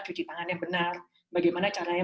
cuci tangannya benar bagaimana caranya